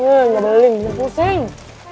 nyebelin dia pusing